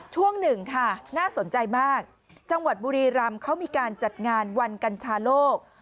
ช่วงหนึ่งค่ะน่าสนใจมากจังหวัดบุรีรำเขามีการจัดงานวันกัญชาโลก